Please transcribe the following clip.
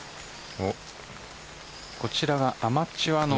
こちらはアマチュアの